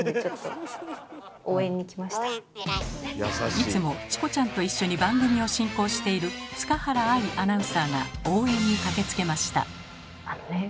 いつもチコちゃんと一緒に番組を進行している塚原愛アナウンサーが応援に駆けつけました。